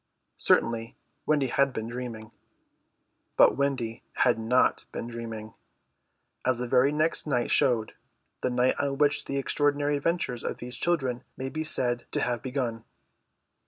Certainly Wendy had been dreaming. But Wendy had not been dreaming, as the very next night showed, the night on which the extraordinary adventures of these children may be said to have begun.